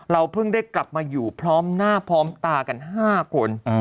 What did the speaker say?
เพิ่งได้กลับมาอยู่พร้อมหน้าพร้อมตากัน๕คน